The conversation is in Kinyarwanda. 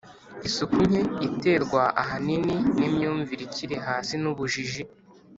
Isuku nke iterwa ahanini n imyumvire ikiri hasi n ubujiji